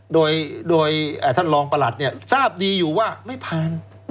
โดยท่านรองประหลัดเนี่ยทราบดีอยู่ว่าไม่ผ่าน